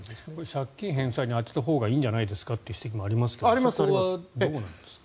借金返済に充てたほうがいいんじゃないですかという指摘もありますがそこはどうなんですか？